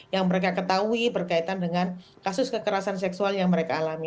yang mereka ketahui berkaitan dengan kasus kekerasan seksual yang mereka alami